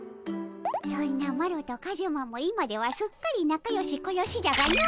そんなマロとカジュマも今ではすっかりなかよしこよしじゃがの。